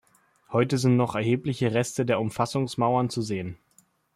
Heute sind noch erhebliche Reste der Umfassungsmauern zu sehen.